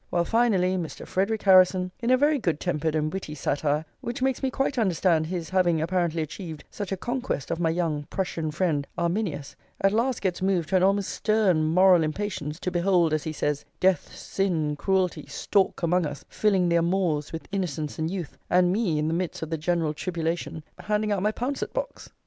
While, finally, Mr. Frederic Harrison, in a very good tempered and witty satire, which makes me quite understand his having apparently achieved such a conquest of my young Prussian friend, Arminius, at last gets moved to an almost stern moral impatience, to behold, as he says, "Death, sin, cruelty stalk among us, filling their maws with innocence and youth," and me, in the midst of the general tribulation, handing out my pouncet box.